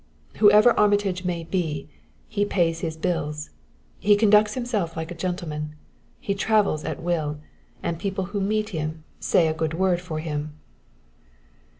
Whoever Armitage may be, he pays his bills; he conducts himself like a gentleman; he travels at will, and people who meet him say a good word for him."